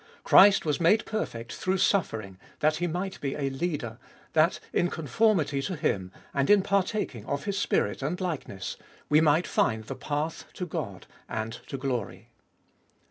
Christ was made perfect through suffering that He might be a Leader, that in conformity to Him, and in partaking of His Spirit and likeness, we might find the path to God and to glory.